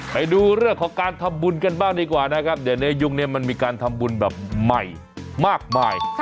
ไปดูเรื่องของการทำบุญกันบ้างดีกว่านะครับเดี๋ยวในยุคนี้มันมีการทำบุญแบบใหม่มากมาย